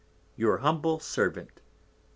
Your Humble Servant, Tho.